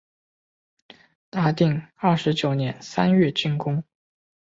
大定二十九年三月竣工。